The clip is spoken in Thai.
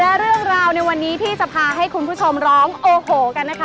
และเรื่องราวในวันนี้ที่จะพาให้คุณผู้ชมร้องโอ้โหกันนะคะ